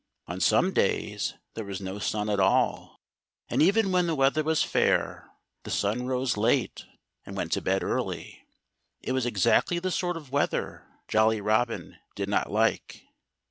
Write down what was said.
On some days there was no sun at all. And even when the weather was fair the sun rose late and went to bed early. It was exactly the sort of weather Jolly Robin did not like.